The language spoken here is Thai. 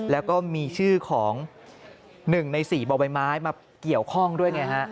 แล้วก็มีชื่อของ๑ใน๔บ่อใบไม้มาเกี่ยวข้องด้วยไงฮะ